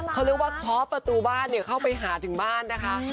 เขาเรียกว่าเคาะประตูบ้านเข้าไปหาถึงบ้านนะคะ